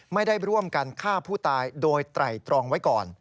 ไม่ได้ร่วมกันฆ่าผู้ตายโดยไตรตรองไว้ก่อน